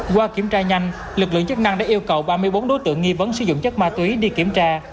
qua kiểm tra nhanh lực lượng chức năng đã yêu cầu ba mươi bốn đối tượng nghi vấn sử dụng chất ma túy đi kiểm tra